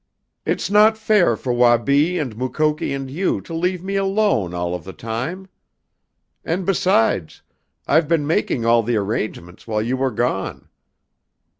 It's not fair for Wabi and Mukoki and you to leave me alone all of the time. And, besides, I've been making all the arrangements while you were gone.